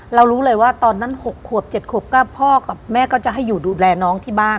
รู้เลยว่าตอนนั้น๖ขวบ๗ขวบก็พ่อกับแม่ก็จะให้อยู่ดูแลน้องที่บ้าน